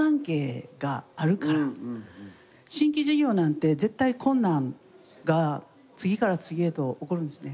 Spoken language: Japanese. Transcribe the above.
新規事業なんて絶対困難が次から次へと起こるんですね。